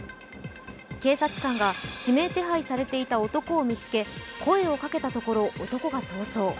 警察官が指名手配されていた男を見つけ、声をかけたところ、男が逃走。